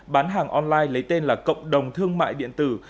bán hàng online lấy tên là cộng đồng thương mại điện tử